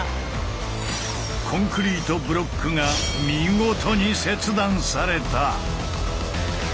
コンクリートブロックが見事に切断された。